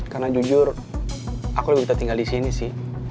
karena jujur aku lebih bisa tinggal di sini sih